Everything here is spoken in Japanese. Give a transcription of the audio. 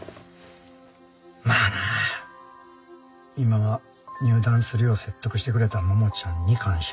まあな今は入団するよう説得してくれた桃ちゃんに感謝やな。